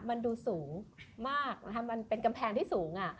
มันดูสูงมากนะคะมันเป็นกำแพงที่สูง